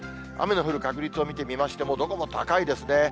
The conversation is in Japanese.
雨の降る確率を見てみましても、どこも高いですね。